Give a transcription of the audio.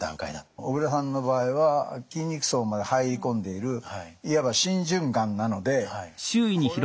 小倉さんの場合は筋肉層まで入り込んでいるいわば浸潤がんなのでこれはそのままほっとけないと。